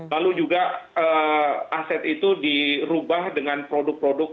lalu juga aset itu dirubah dengan produk produk